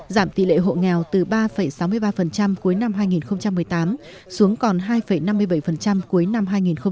giảm tỷ lệ hộ nghèo từ ba sáu mươi ba cuối năm hai nghìn một mươi tám xuống còn hai năm mươi bảy cuối năm hai nghìn một mươi tám